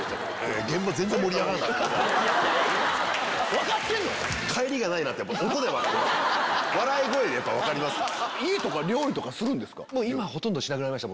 分かってんの⁉笑い声で分かりますから。